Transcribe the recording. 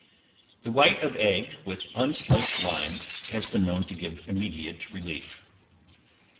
The white of egg, with unslaked lime, has been known to give immediate relief.